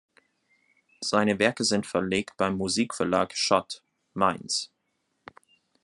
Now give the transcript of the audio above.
Seine Werke sind verlegt beim Musikverlag Schott, Mainz.